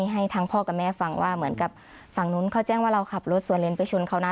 ให้ทั้งพ่อกับแม่ฟังว่าเหมือนกับฝั่งนู้นเขาแจ้งว่าเราขับรถสวนเลนไปชนเขานะ